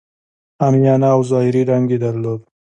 عامیانه او ظاهري رنګ یې درلود.